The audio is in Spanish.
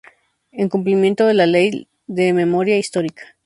En cumplimiento de la Ley de Memoria Histórica.